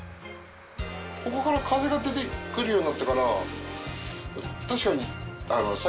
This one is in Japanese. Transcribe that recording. ここから風が出て来るようになってから。